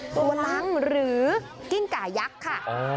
ตัวลังหรือกิ้งกายักษ์ค่ะ